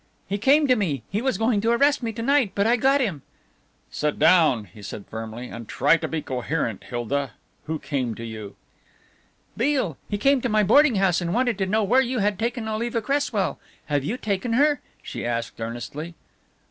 "He came to me, he was going to arrest me to night, but I got him." "Sit down," he said firmly, "and try to be coherent, Hilda. Who came to you?" "Beale. He came to my boarding house and wanted to know where you had taken Oliva Cresswell. Have you taken her?" she asked earnestly.